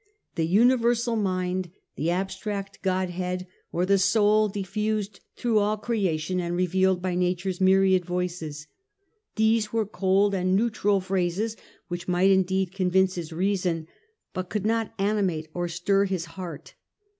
The Universal Mind, the Abstract Godhead, or the Soul xheau.s diffused through all creation and revealed by Nature's myriad voices — these were cold and could not neutral phrases which might indeed convince content him. his reason, but could not animate or stir his heart.